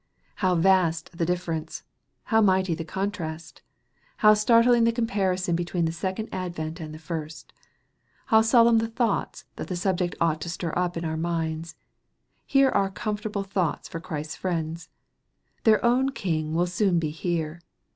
How vast the difference ! How mighty the contrast J How startling the comparison between the second advent and the first ! How solemn the thoughts that the sub ject ought to stir up in our minds ! Here are comfortable thoughts for Christ's friends. Their own King will soon be here.